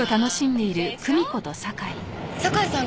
酒井さん